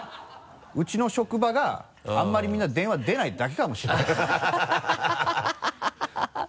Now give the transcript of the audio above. ウチの職場があんまりみんな電話出ないだけかもしれないですハハハ